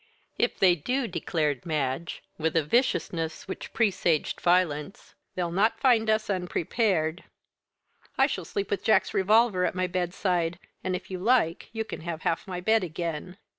"If they do," declared Madge, with a viciousness which presaged violence, "they'll not find us unprepared. I shall sleep with Jack's revolver at my bedside, and if you like you can have half my bed again."